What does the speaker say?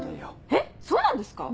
えっそうなんですか？